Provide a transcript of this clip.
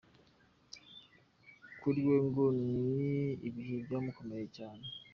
Kuriwe ngo ni ibihe byamukomereye cyane .